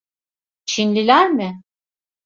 Çinliler mi?